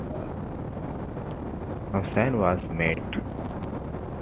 No sign was made.